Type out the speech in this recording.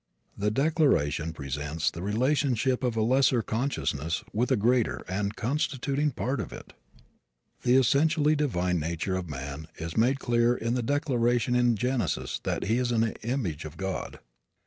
The declaration presents the relationship of a lesser consciousness within a greater, and constituting a part of it. The essentially divine nature of man is made clear in the declaration in Genesis that he is an image of God.